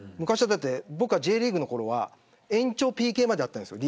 僕がＪリーグのころは延長ＰＫまであったんですよ